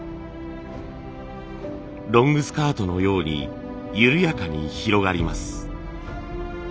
ロングスカートのように緩やかに広がります。